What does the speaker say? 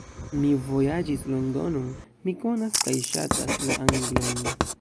Mi vojaĝis Londonon; mi konas kaj ŝatas la Anglojn.